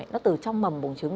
nó từ trong mầm bồng trứng